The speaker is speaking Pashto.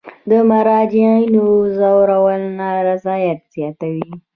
د مراجعینو ځورول نارضایت زیاتوي.